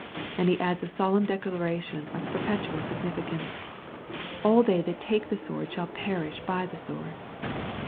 And he adds a solemn declaration of perpetual significance, ^^ all they that take the sword shall perish by the sword.''